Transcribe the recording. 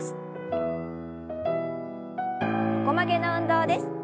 横曲げの運動です。